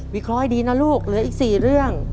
เคราะห์ดีนะลูกเหลืออีก๔เรื่อง